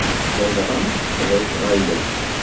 Ladɣa sseqdaceɣ aya.